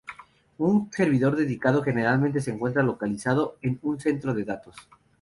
Un servidor dedicado generalmente se encuentra localizado en un centro de datos.